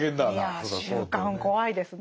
いや習慣怖いですねぇ。